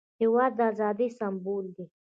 هېواد د ازادۍ سمبول دی.